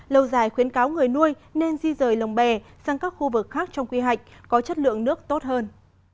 lâu dài khuyến cáo người nuôi nên di rời lồng bè sang các khu vực khác trong quy hạch có chất lượng nước tốt hơn